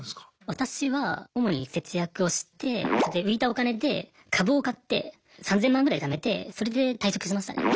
私は主に節約をしてそれで浮いたお金で株を買って３０００万ぐらい貯めてそれで退職しましたね。